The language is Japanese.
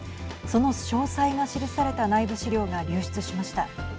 その詳細が記された内部資料が流出しました。